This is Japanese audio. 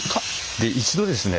で一度ですね